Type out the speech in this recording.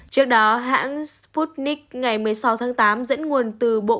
trước đó hãng sputnik ngày một mươi sáu tháng tám dẫn nguồn từ bộ quốc phòng